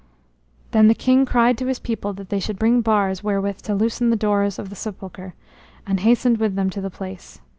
Then the king cried to his people that they should bring bars wherewith to loosen the doors of the sepulchre, and hastened with them to the place.